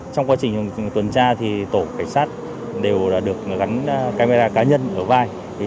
trong quá trình tuần tra thì tổ cảnh sát đều được gắn camera cá nhân ở vai